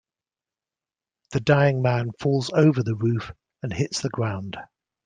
The dying man falls over the roof and hits the ground.